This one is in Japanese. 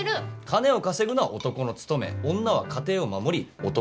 金を稼ぐのは男の務め女は家庭を守り男を支える。